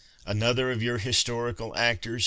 "'" Another of your historical actors